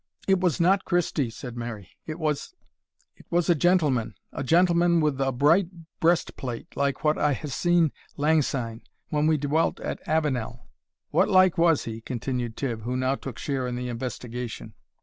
"It was not Christie," said Mary; "it was it was a gentleman a gentleman with a bright breastplate, like what I hae seen langsyne, when we dwelt at Avenel " "What like was he?" continued Tibb, who now took share in the investigation.